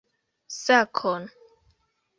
Sakon!